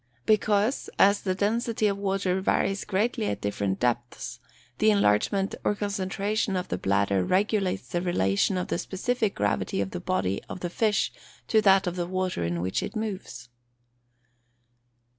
_ Because, as the density of water varies greatly at different depths, the enlargement or contraction of the bladder regulates the relation of the specific gravity of the body of the fish to that of the water in which it moves.